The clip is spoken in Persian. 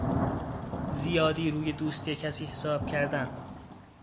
زیادی روی دوستی کسی حساب کردن